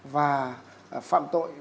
và phạm tội